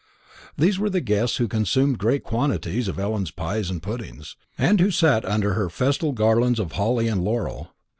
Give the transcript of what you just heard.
These were the guests who consumed great quantities of Ellen's pies and puddings, and who sat under her festal garlands of holly and laurel.